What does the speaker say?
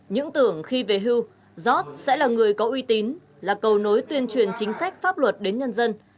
những tưởng khi về hưu giót sẽ là người có uy tín là cầu nối tuyên truyền chính sách pháp luật đến nhân dân